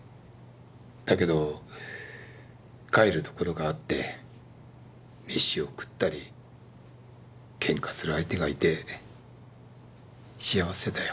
だけど帰る所があって飯を食ったりけんかする相手がいて幸せだよ。